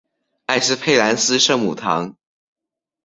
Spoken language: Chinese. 埃斯佩兰斯圣母堂。